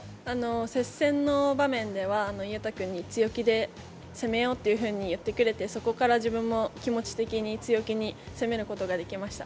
接戦の場面では、勇大君に強気で攻めようっていうふうに言ってくれて、そこから自分も気持ち的に強気に攻めることができました。